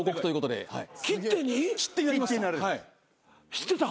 知ってた？